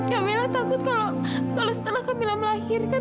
kamila takut kalau kalau setelah kamila melahirkan